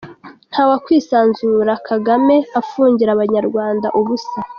Nta wakwisanzura Kagame afungira abanyarwanda ubusa!